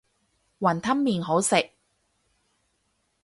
雲吞麵好食